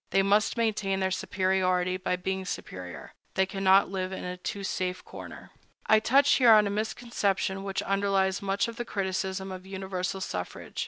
They must maintain their superiority by being superior. They cannot live in a too safe corner.I touch here on a misconception which underlies much of the criticism of universal suffrage.